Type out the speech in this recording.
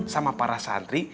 sama para santri